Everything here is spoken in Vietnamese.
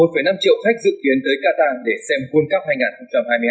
khoảng một năm triệu khách dự kiến tới kata để xem world cup hai nghìn hai mươi hai